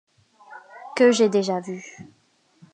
Que j’ai déjà vue.